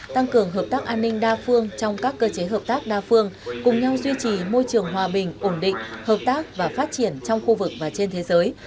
tăng cường hợp tác an ninh đa phương trong các cơ chế hợp tác đa phương cùng nhau duy trì môi trường hòa bình ổn định hợp tác và phát triển trong khu vực và trên thế giới